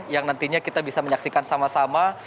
yang nantinya kita bisa menyaksikan sama sama